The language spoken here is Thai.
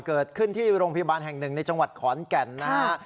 เกิดขึ้นที่โรงพยาบาลแห่งหนึ่งในจังหวัดขอนแก่นนะฮะ